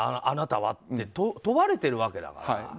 あなたはって問われているわけだから。